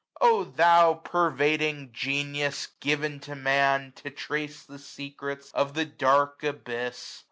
O thou pervading Genius, given to Man, 'JTS To trace the secrets of the dark abyss